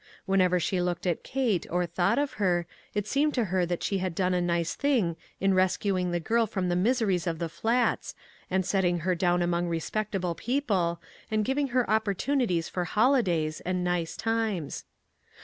Whenever she looked at Kate or thought of her, it seemed to her that she had done a nice thing in rescuing the girl from the miseries of the Flats and set ting her down among respectable people, and giving her opportunities for holidays and nice times.